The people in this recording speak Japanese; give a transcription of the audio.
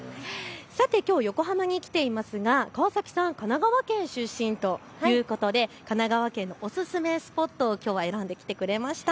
さて、きょう横浜に来ていますが川崎さん、神奈川県出身ということで神奈川県のおすすめスポットをきょうは選んできてくれました。